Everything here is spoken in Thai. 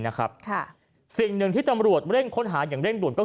นะครับค่ะสิ่งหนึ่งที่ตำรวจเร่งค้นหาอย่างเร่งด่วนก็คือ